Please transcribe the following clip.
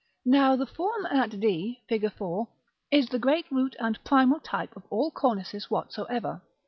Now the form at d, Fig. IV., is the great root and primal type of all cornices whatsoever.